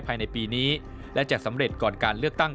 ภายในปีนี้และจะสำเร็จก่อนการเลือกตั้ง